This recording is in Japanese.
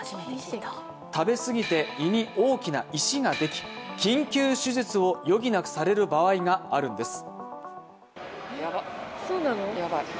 食べすぎて胃に大きな石ができ、緊急手術を余儀なくされる場合があるんです。